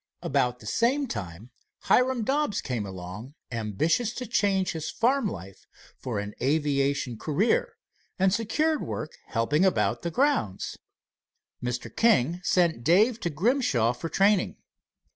About the same time Hiram Dobbs came along, ambitious to change his farm life for an aviation career, and secured work helping about the grounds. Mr. King sent Dave to Grimshaw for training.